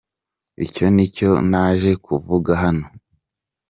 Icyo ni cyo naje kuvuga hano.